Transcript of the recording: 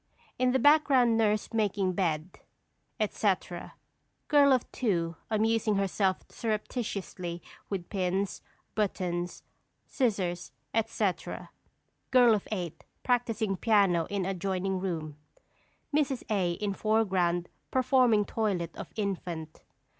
In the background nurse making bed, etc.; Girl of Two amusing herself surreptitiously with pins, buttons, scissors, etc.; Girl of Eight practising piano in adjoining room; Mrs. A. in foreground performing toilet of infant.